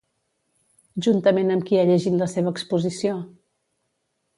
Juntament amb qui ha llegit la seva exposició?